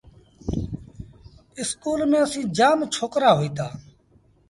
اسڪول ميݩ اسيٚݩ جآم ڇوڪرآ هوئيٚتآ۔